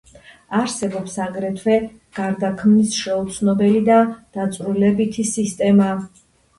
არსებობს აგრეთვე გარდაქმნის შეუცნობელი და დაწვრილებითი სისტემა.